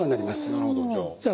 なるほどじゃあ。